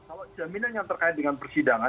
kalau jaminan yang terkait dengan persidangan